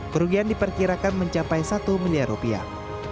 kerugian diperkirakan mencapai satu miliar rupiah